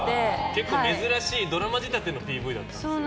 結構珍しいドラマ仕立てのＰＶだったんだよね。